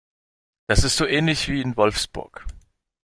Das ist so ähnlich wie in Wolfsburg